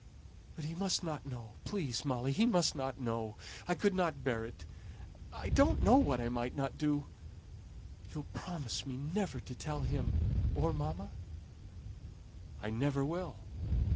"But he must not know please, Molly, he must not know. I couldn't bear it. I don't know what I might not do. You'll promise me never to tell him, or mamma?" "I never will.